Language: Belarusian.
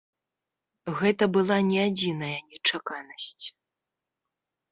Гэта была не адзіная нечаканасць.